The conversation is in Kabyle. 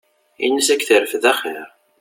Ina-s ad k-terfed axir.